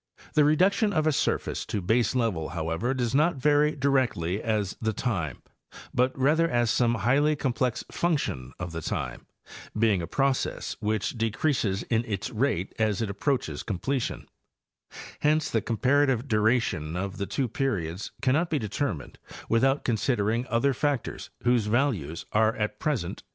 The reduction of a surface to base level, however, does not vary directly as the time, but rather as some highly complex function of the time, being a process which decreases in its rate as it approaches completion. Hence the comparative duration of the two periods cannot be determined without considering other factors whose values are at present 13—Nart. Groa. Maa., von. VI, 1894. 88 Hayes and Campbell—Appalachian Geomorphology.